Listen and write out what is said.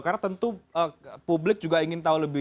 karena tentu publik juga ingin tahu lebih